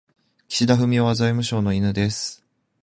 岸田文雄は財務省の犬です。